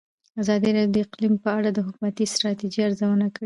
ازادي راډیو د اقلیم په اړه د حکومتي ستراتیژۍ ارزونه کړې.